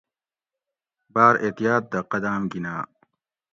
باۤر احتیاۤط دہ قداۤم گِھینا